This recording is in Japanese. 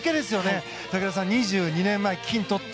武田さん、２２年前金を取った。